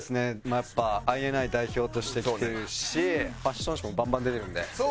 まあやっぱＩＮＩ代表として来てるしファッション誌もバンバン出てるんで。